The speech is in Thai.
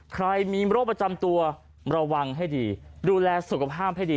ใครมีโรคประจำตัวระวังให้ดีดูแลสุขภาพให้ดี